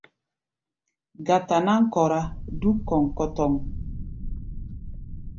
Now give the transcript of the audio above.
Gata-náŋ kɔra dúk kɔŋkɔtɔŋ.